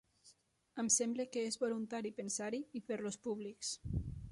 Em sembla que és voluntari pensar-hi i fer-los públics.